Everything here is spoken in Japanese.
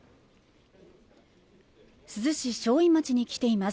珠洲市正院町に来ています。